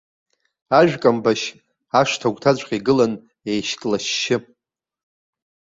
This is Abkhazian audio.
Ажәкамбашь ашҭа агәҭаҵәҟьа игылан еишьклашьшьы.